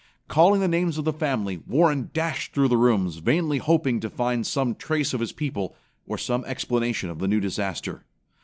Calling the names of the family, Warren dashed through the rooms, vainly hoping to find some trace of his people, or some explanation of the new disaster.